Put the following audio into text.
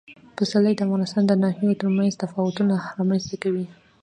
پسرلی د افغانستان د ناحیو ترمنځ تفاوتونه رامنځ ته کوي.